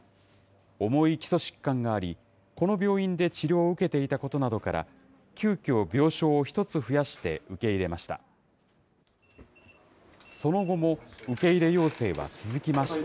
重い基礎疾患があり、この病院で治療を受けていたことなどから、急きょ病床を１つ増やして受け入れました。